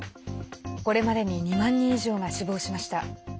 これまでに２万人以上が死亡しました。